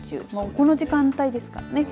この時間帯ですからね。